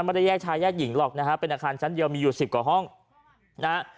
แยกชายแยกหญิงหรอกนะฮะเป็นอาคารชั้นเดียวมีอยู่สิบกว่าห้องนะฮะ